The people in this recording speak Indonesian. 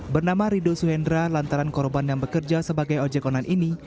bernama ridul suhendra lantaran korban yang bekerja sebagai ojekonan ini